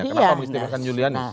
kenapa mengistimewakan julianis